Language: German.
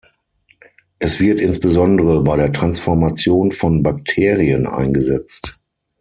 Es wird insbesondere bei der Transformation von Bakterien eingesetzt.